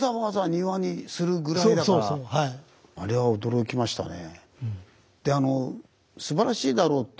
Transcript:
あれは驚きましたね。